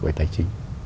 phải tài chính